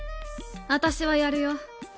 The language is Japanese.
私はやるよ。